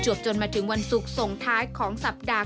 จนมาถึงวันศุกร์ส่งท้ายของสัปดาห